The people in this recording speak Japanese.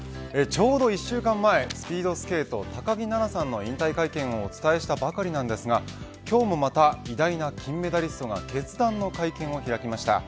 ちょうど１週間前スピードスケート高木菜那さんの引退会見をお伝えしたばかりですが今日もまた偉大な金メダリストが決断の会見を開きました。